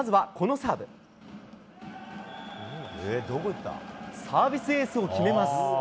サービスエースを決めます。